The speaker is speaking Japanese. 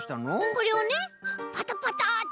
これをねパタパタってすると。